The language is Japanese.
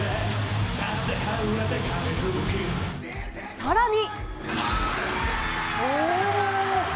さらに。